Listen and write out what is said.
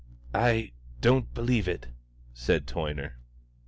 "I don't believe it," said Toyner.